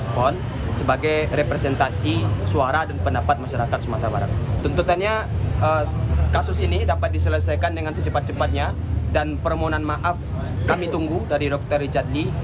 kasus ini dapat diselesaikan dengan secepat cepatnya dan permohonan maaf kami tunggu dari dokter richard di